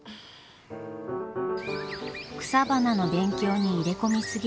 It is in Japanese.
草花の勉強に入れ込み過ぎる万太郎。